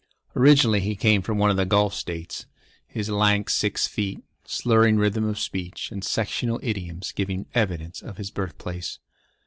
Originally he came from one of the Gulf States, his lank six feet, slurring rhythm of speech, and sectional idioms giving evidence of his birthplace.